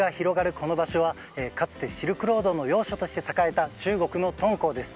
この場所はかつてシルクロードの要所として栄えた中国の敦煌です。